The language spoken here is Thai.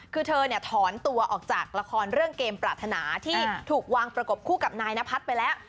คือเธอเนี่ยถอนตัวออกจากละครเรื่องเกมปรารถนาที่ถูกวางประกบคู่กับนายนพัฒน์ไปแล้ว